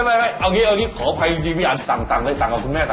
ไม่เอาอย่างนี้ขอโทษจริงพี่อันสั่งเลยสั่งเอาคุณแม่สั่ง